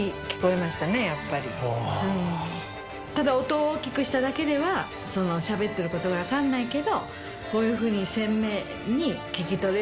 ただ音を大きくしただけではしゃべってることが分かんないけどこういうふうに。